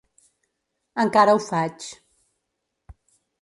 Encara ho faig.